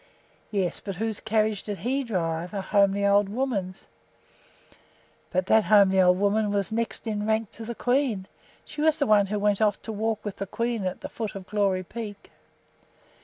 "Yes, but whose carriage did he drive? A homely old woman's!" "But that homely old woman was next in rank to the queen. She was the one who went off to walk with the queen at the foot of Glory Peak."